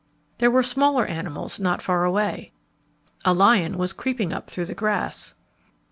There were smaller animals not far away. A lion was creeping up through the grass.